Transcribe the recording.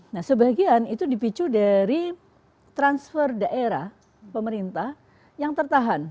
nah sebagian itu dipicu dari transfer daerah pemerintah yang tertahan